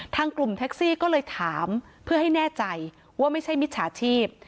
ทางกลุ่มแท็กซี่ก็เลยถามเพื่อให้แน่ใจว่าไม่ใช่มิจฉาชีพ